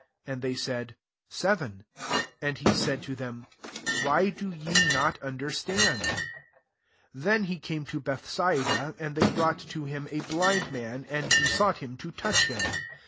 *' And they said, "Seven. 21 And he said to them, " Why do ye not understand ?" 22 Then he came to Beth saida : and they brought to him a blind man, and besought him to touch him.